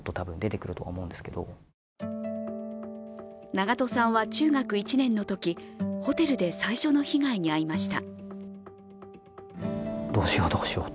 長渡さんは中学１年のときホテルで最初の被害に遭いました。